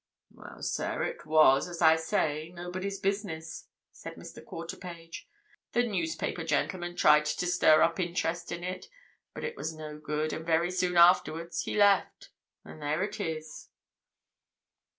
"Well, sir, it was, as I say, nobody's business," said Mr. Quarterpage. "The newspaper gentleman tried to stir up interest in it, but it was no good, and very soon afterwards he left. And there it is."